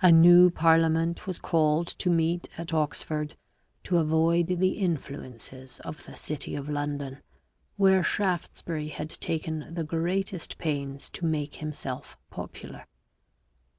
A new parliament was called to meet at Oxford, to avoid the influences of the city of London, where Shaftesbury had taken the greatest pains to make himself popular..